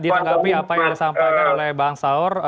ditanggapi apa yang disampaikan oleh bang saur